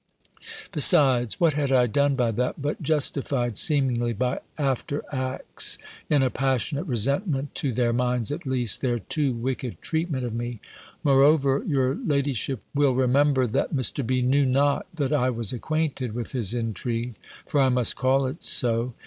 Besides, what had I done by that, but justified, seemingly, by after acts in a passionate resentment, to their minds, at least, their too wicked treatment of me? Moreover, your ladyship will remember, that Mr. B. knew not that I was acquainted with his intrigue: for I must call it so.